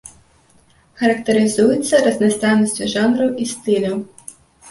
Характарызуецца разнастайнасцю жанраў і стыляў.